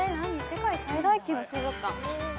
世界最大級の水族館。